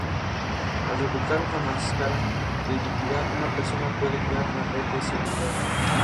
Es un archivo de titularidad estatal, gestionado por el Ministerio de Defensa.